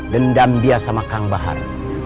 dendam dia sama kang bahar